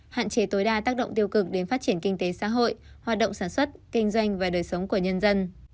hạn chế tối đa tác động tiêu cực đến phát triển kinh tế xã hội hoạt động sản xuất kinh doanh và đời sống của nhân dân